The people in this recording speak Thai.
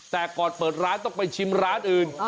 แต่ก่อนเปิดร้านต้องไปชิมร้านอื่น